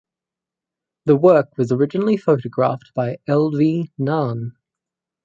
The work was originally photographed by Lv Nan.